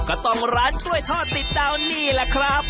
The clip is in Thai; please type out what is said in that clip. ก็ต้องร้านกล้วยทอดติดดาวนี่แหละครับ